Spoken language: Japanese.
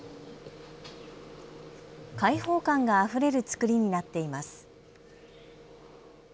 開放感があふれるつくりになっています。